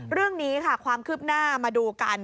เรื่องนี้ค่ะความคืบหน้ามาดูกัน